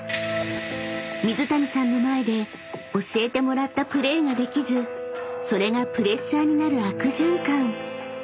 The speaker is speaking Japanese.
［水谷さんの前で教えてもらったプレーができずそれがプレッシャーになる悪循環］